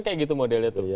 kayak gitu modelnya itu